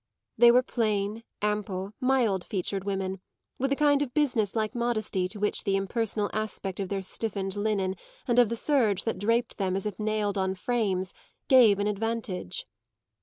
They were plain, ample, mild featured women, with a kind of business like modesty to which the impersonal aspect of their stiffened linen and of the serge that draped them as if nailed on frames gave an advantage.